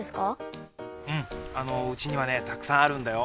うんうちにはねたくさんあるんだよ。